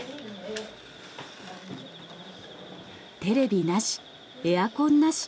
テレビなしエアコンなし。